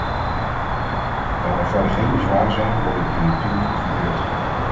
Daar er verder geen bezwaren zijn, worden de notulen goedgekeurd.